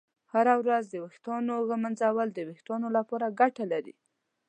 هره ورځ د ویښتانو ږمنځول د ویښتانو لپاره ګټه لري.